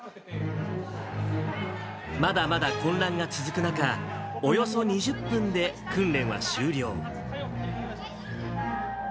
まだまだ混乱が続く中、およそ２０分で訓練は終了。